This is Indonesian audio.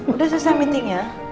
udah selesai meetingnya